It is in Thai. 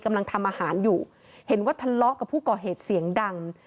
กำลังทำอาหารอยู่เห็นว่าทะเลาะกับผู้ก่อเหตุเสียงดัง